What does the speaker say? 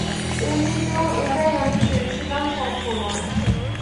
এমনিতেও এটাই আমি চেয়েছিলাম সবসময়।